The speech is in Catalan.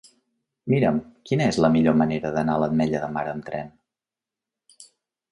Mira'm quina és la millor manera d'anar a l'Ametlla de Mar amb tren.